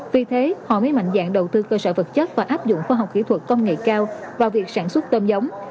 vì thế họ mới mạnh dạng đầu tư cơ sở vật chất và áp dụng khoa học kỹ thuật công nghệ cao vào việc sản xuất tôm giống